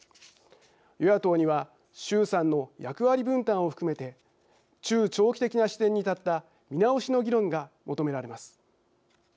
与野党には衆参の役割分担を含めて中長期的な視点に立った見直しの議論が求められます。